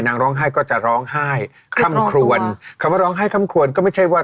ร้องไห้ก็จะร้องไห้ค่ำครวนคำว่าร้องไห้ค่ำครวนก็ไม่ใช่ว่า